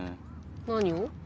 何を？